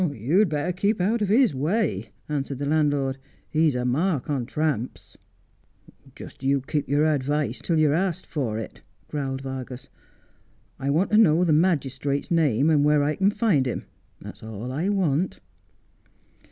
' You'd better keep out of his way/ answered the landlord. ' He's a mark on tramps.' ' You just keep your advice till you're asked for it,' growled Vargas. ' I want to know the magistrate's name, and where I can find him. That's all I want.'